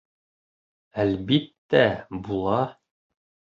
— Әлбиттә, була.